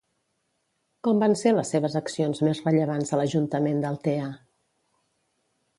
Com van ser les seves accions més rellevants a l'Ajuntament d'Altea?